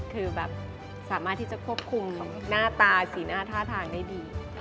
คือแบบสามารถที่จะควบคุมหน้าตาสีหน้าท่าทางได้ดี